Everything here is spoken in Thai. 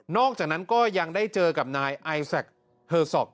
นอกจากนั้นก็ยังได้เจอกับนายไอซัก